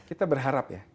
kita berharap ya